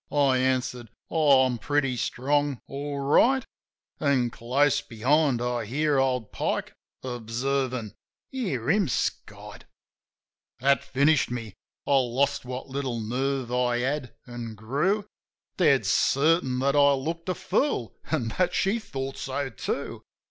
I answers, "Oh, I'm pretty strong, all right." An' close behind I heard old Pike observin', "Hear 'im skite !" 42 JIM OF THE HILLS That finished me. I lost what little nerve I had, an' grew Dead certain that I looked a fool, an' that she thought so, too.